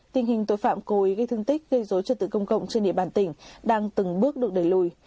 tình hình tội phạm cố ý gây thương tích gây dối trật tự công cộng trên địa bàn tỉnh đang từng bước được đẩy lùi